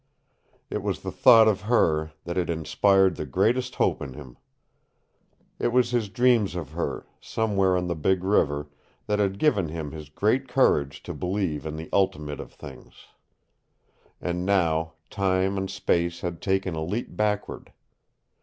It was the thought of her that had inspired the greatest hope in him. It was his dreams of her, somewhere on the Big River, that had given him his great courage to believe in the ultimate of things. And now time and space had taken a leap backward.